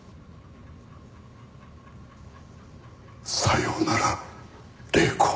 さようなら黎子。